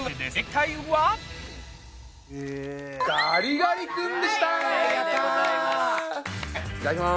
いただきます。